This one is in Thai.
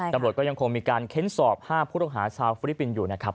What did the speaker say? นำลดก็ยังคงมีการเค้นสอบห้าผู้ตกหาชาวฟรีปินอยู่นะครับ